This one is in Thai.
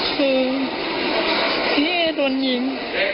คือพี่เอดวนหญิง